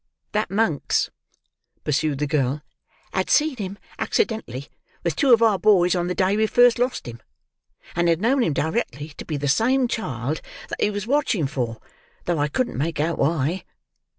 "—That Monks," pursued the girl, "had seen him accidently with two of our boys on the day we first lost him, and had known him directly to be the same child that he was watching for, though I couldn't make out why.